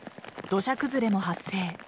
土砂崩れも発生。